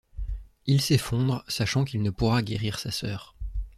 Il s'effondre sachant qu'il ne pourra guérir sa sœur.